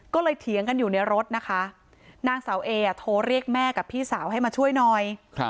ก็เลยเถียงกันอยู่ในรถนะคะนางสาวเอโทรเรียกแม่กับพี่สาวให้มาช่วยหน่อย